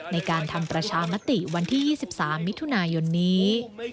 ในการทำประชามติวันที่๒๓มิถุนายนนี้